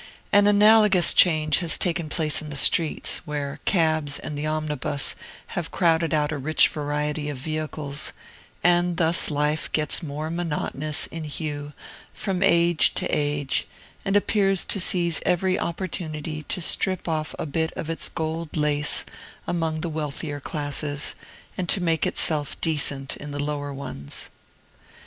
An analogous change has taken place in the streets, where cabs and the omnibus have crowded out a rich variety of vehicles; and thus life gets more monotonous in hue from age to age, and appears to seize every opportunity to strip off a bit of its gold lace among the wealthier classes, and to make itself decent in the lower ones.